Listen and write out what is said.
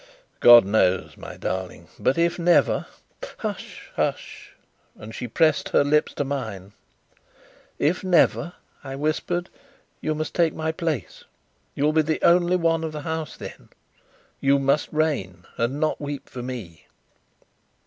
"God knows, my darling. But, if never " "Hush, hush!" and she pressed her lips to mine. "If never," I whispered, "you must take my place; you'll be the only one of the House then. You must reign, and not weep for me."